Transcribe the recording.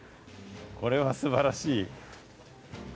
これはすばらしい。